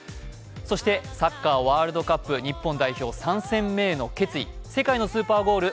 そしてサッカーワールドカップ日本代表、３戦目への決意、世界のスーパーゴール